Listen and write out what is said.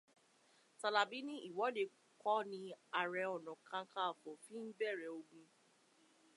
Tàlàbí ní ìwọ́de kọ́ ni Ààrẹ ọ̀nà Kakańfò fi ń bẹ̀rẹ̀ ogun.